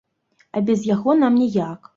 А без яго нам ніяк.